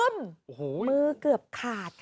มือเกือบขาด